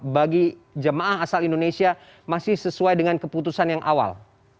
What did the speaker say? bagi jemaah asal indonesia masih sesuai dengan keputusan yang awal